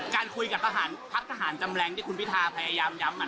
การคุยกับทหารพักทหารจำแรงที่คุณพิทาพยายามย้ำ